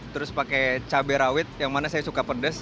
terus pakai cabai rawit yang mana saya suka pedas